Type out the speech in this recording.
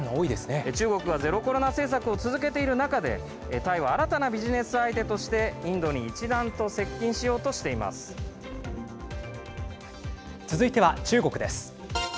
中国がゼロコロナ政策を続けている中でタイは新たなビジネス相手としてインドに一段と続いては中国です。